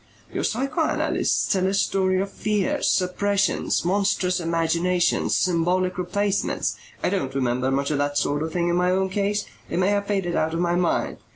"Your psychoanalysts tell a story of fears, suppressions, monstrous imaginations, symbolic replacements. I don't remember much of that sort of thing in my own case. It may have faded out of my mind.